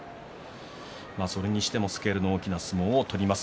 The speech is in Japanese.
それにしてもスケールの大きい相撲を取ります